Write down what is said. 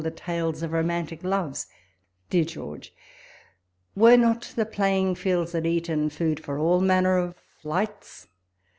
the tales of romantic loves ! Dear George, were not the playing fields at Eton food for all manner of flights'?